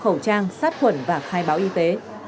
khẩu trang sát khuẩn và khai báo y tế